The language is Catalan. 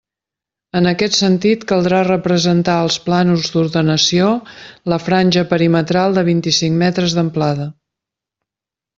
En aquest sentit caldrà representar als plànols d'ordenació la franja perimetral de vint-i-cinc metres d'amplada.